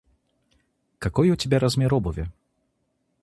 У тебя какой размер обуви?